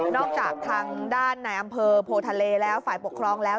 จากทางด้านในอำเภอโพทะเลแล้วฝ่ายปกครองแล้ว